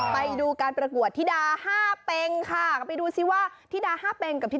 ชมเลยชมอย่ามากล้ามแท้เติ้ล